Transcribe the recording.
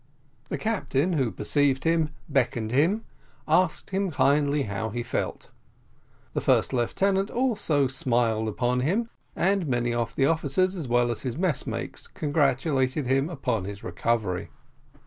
The captain, who perceived him, beckoned to him, asked him kindly how he felt: the first lieutenant also smiled upon him, and many of the officers, as well as his messmates, congratulated him upon his recovery.